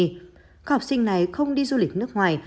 các học sinh này không đi du lịch nước ngoài